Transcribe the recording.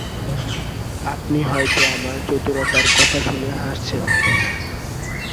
আপনি হয়তো আমার চতুরতার কথা শুনে হাসছেন।